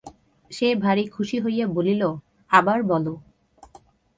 সে ভারী খুশি হইয়া বলিল, আবার বলো।